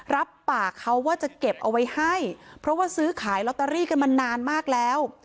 รับปากเขาว่าจะเก็บเอาไว้ให้เพราะว่าซื้อขายลอตเตอรี่กันมานานมากแล้ว